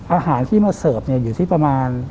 อาหารที่มาเสิร์ฟอยู่ที่ประมาณ